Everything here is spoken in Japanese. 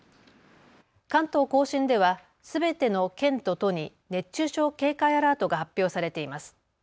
関東甲信では、すべての県と都に熱中症警戒アラートが発表されています。